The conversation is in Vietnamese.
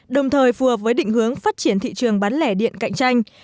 đồng thời phù hợp với định hướng phát triển thị trường bán lẻ điện cạnh tranh